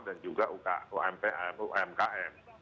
dan juga umkm